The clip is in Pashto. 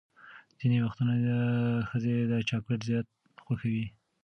ځینې وختونه ښځې چاکلیټ زیات خوښوي.